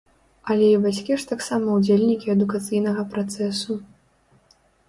Але і бацькі ж таксама ўдзельнікі адукацыйнага працэсу.